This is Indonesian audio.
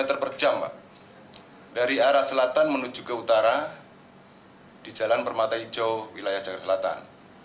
terperjam dari arah selatan menuju ke utara di jalan permata hijau wilayah jakarta selatan